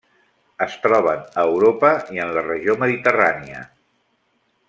Es troben a Europa i en la regió Mediterrània.